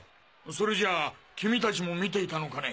それじゃあ君たちも見ていたのかね？